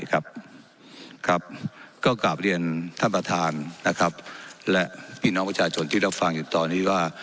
ก็กลับเรียนท่านประธานและพี่น้องประชาชนที่เราฟังอยู่ตอนนี้ว่า